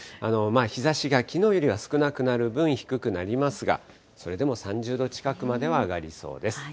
日ざしがきのうよりは少なくなる分、低くなりますが、それでも３０度近くまでは上がりそうです。